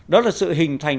đó là sự hình thành